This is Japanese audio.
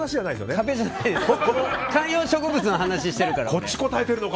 観葉植物の話をしてるから俺。